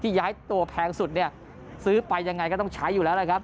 ที่ย้ายตัวแพงสุดซื้อไปยังไงก็ต้องใช้อยู่แล้ว